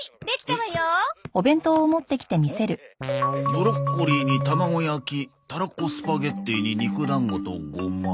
ブロッコリーに卵焼きたらこスパゲティに肉だんごとゴマ。